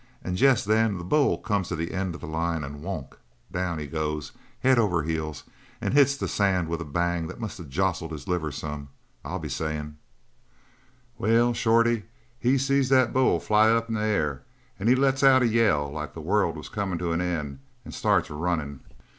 And jest then the bull come to the end of the line and wonk! down he goes, head over heels, and hits the sand with a bang that must of jostled his liver some, I'll be sayin'! "Well, Shorty, he seen that bull fly up into the air and he lets out a yell like the world was comin' to an end, and starts runnin'.